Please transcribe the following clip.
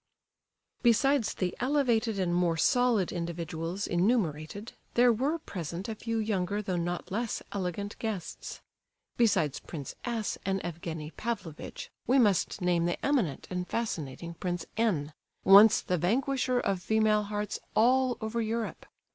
Besides the elevated and more solid individuals enumerated, there were present a few younger though not less elegant guests. Besides Prince S. and Evgenie Pavlovitch, we must name the eminent and fascinating Prince N.—once the vanquisher of female hearts all over Europe.